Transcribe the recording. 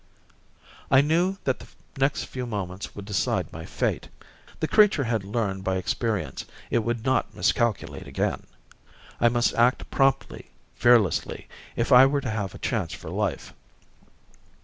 I knew that the next few moments would decide my fate. The creature had learned by experience. It would not miscalculate again. I must act promptly, fearlessly, if I were to have a chance for life.